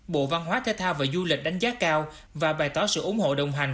bộ văn hóa thế thao và du lịch đánh giá cao và bày tỏ sự ủng hộ đồng hành